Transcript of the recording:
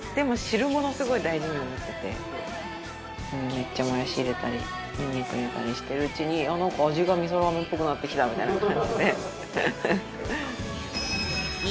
めっちゃもやし入れたりニンニク入れたりしてるうちにあっなんか味が味噌ラーメンっぽくなってきたみたいな感じで。